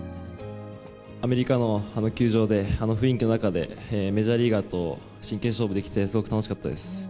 アメリカのあの球場で、あの雰囲気の中で、メジャーリーガーと真剣勝負できて、すごく楽しかったです。